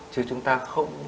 chứ chúng ta không